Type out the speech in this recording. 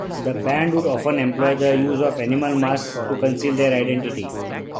The band would often employ the use of animal masks to conceal their identity.